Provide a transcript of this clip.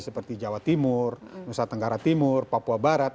seperti jawa timur nusa tenggara timur papua barat